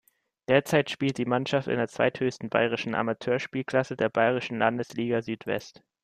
Derzeit spielt die Mannschaft in der zweithöchsten bayerischen Amateurspielklasse, der Bayerischen Landesliga Süd-West.